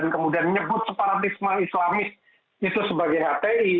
kemudian nyebut separatisme islamis itu sebagai hti